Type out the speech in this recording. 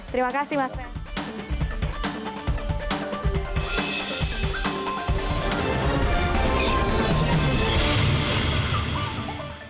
terima kasih mas ferry